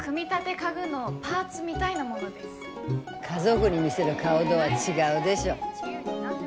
家族に見せる顔とは違うでしょ。